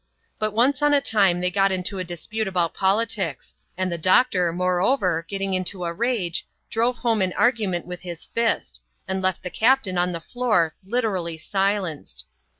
But once on a time they got into a dispute about politics, and the doctor, moreover, getting into a rage, drove home an argument with his fist, and left the captain on the floor literally silenced.